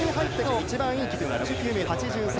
一番いい記録が６９ｍ８３。